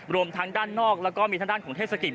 รวมทั้งด้านนอกแล้วก็มีทางด้านของเทศกิจ